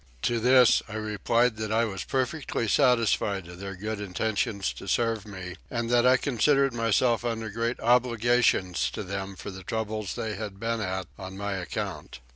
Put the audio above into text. To this I replied that I was perfectly satisfied of their good intentions to serve me, and that I considered myself under great obligations to them for the trouble they had been at on my account.